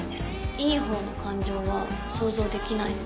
良いほうの感情は想像できない。